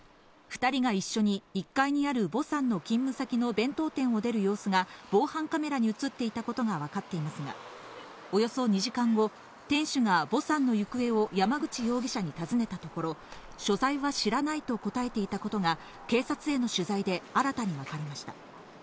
２人が一緒に１階にあるヴォさんの勤務先の弁当店を出る様子が防犯カメラに映っていたことがわかっていますが、およそ２時間後、店主がヴォさんの行方を山口容疑者に尋ねたところ、所在は知らないと答えていたことが警察への取材で新たに分かりました。